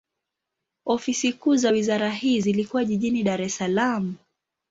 Ofisi kuu za wizara hii zilikuwa jijini Dar es Salaam.